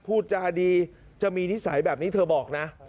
พูดจาดีจะมีนิสัยแบบนี้เธอบอกนะ